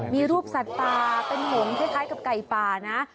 มีรูปสัตว์ป่าเป็นหงคล้ายกับไก่ป่านะ